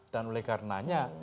dan oleh karenanya